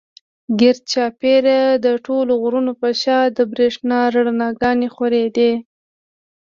ګېر چاپېره د ټولو غرونو پۀ شا د برېښنا رڼاګانې خورېدې